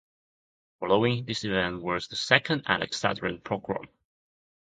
Following this event was the second Alexandrian pogrom.